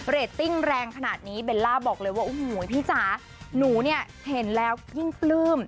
ตติ้งแรงขนาดนี้เบลล่าบอกเลยว่าโอ้โหพี่จ๋าหนูเนี่ยเห็นแล้วยิ่งปลื้ม